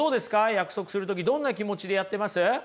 約束する時どんな気持ちでやってます？